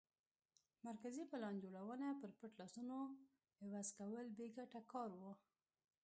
مرکزي پلان جوړونه پر پټ لاسونو عوض کول بې ګټه کار و